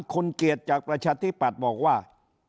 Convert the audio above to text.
คุณเกียรติจากประชาธิปัตย์บอกว่า